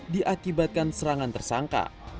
diakibatkan serangan tersangka